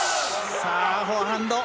さあ、フォアハンド。